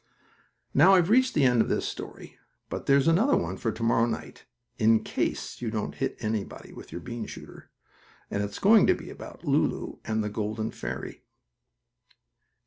Now I've reached the end of this story, but there's another one for to morrow night, in case you don't hit anybody with your bean shooter, and it's going to be about Lulu and the Golden fairy.